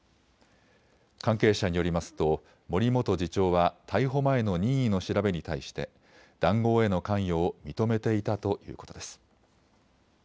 関係者によりますと森元次長は逮捕前の任意の調べに対して談合への関与を認めていたということです。